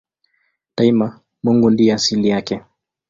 Daima Mungu ndiye asili yake.